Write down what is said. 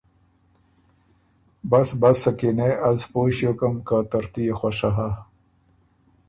”بس بس سکینې از پویٛ ݭیوکم که ترتُو يې خؤشه هۀ“